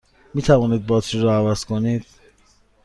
می توانید باتری را عوض کنید؟